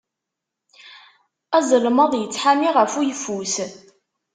Azelmaḍ yettḥami ɣef uyeffus.